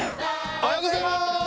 おはようございます！